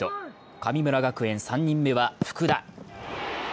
神村学園３人目は福田。